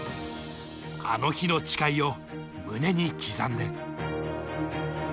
あの日の誓いを胸に刻んで。